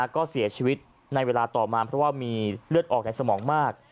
ก็เสียชีวิตในเวลาต่อมาเพราะว่ามีเลือดออกในสมองมาก